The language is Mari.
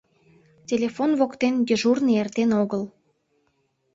Телефон воктен дежурный эртен огыл.